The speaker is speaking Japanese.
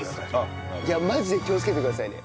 マジで気をつけてくださいね。